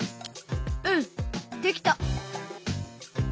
うんできた。